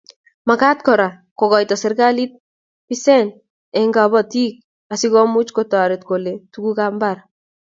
Magat Kora kokoito serkali besend eng kobotik asikomuch kotoret kole tugukab mbar